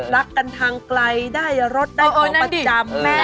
รักกันทางไกลได้รถได้เป็นประจำแม่